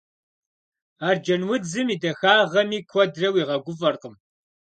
Арджэнудзым и дахагъэми куэдрэ уигъэгуфӀэркъым.